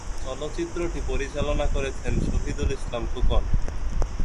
চলচ্চিত্রটি পরিচালনা করেছেন শহীদুল ইসলাম খোকন।